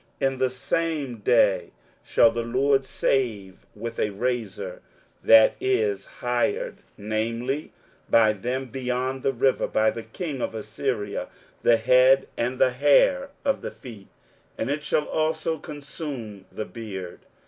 23:007:020 In the same day shall the Lord shave with a razor that is hired, namely, by them beyond the river, by the king of Assyria, the head, and the hair of the feet: and it shall also consume the beard.